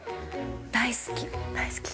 大好き？